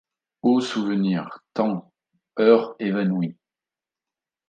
O souvenirs ! temps' ! heures évanouies !